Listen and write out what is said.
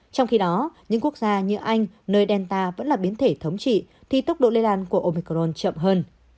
trong khi đó những quốc gia như anh nơi delta vẫn là biến thể thống trị thì tốc độ lây lan của omicron chậm hơn